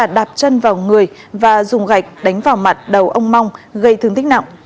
đạp chân vào người và dùng gạch đánh vào mặt đầu ông mong gây thương tích nặng